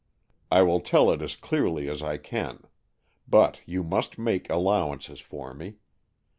I will tell it as clearly as I can. But you must make allowances for me.